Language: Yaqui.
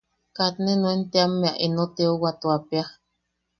Kat ne nuen teamme eno teuwatuapea.